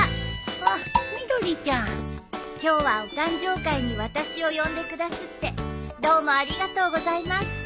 あっみどりちゃん。今日はお誕生会に私を呼んでくだすってどうもありがとうございます。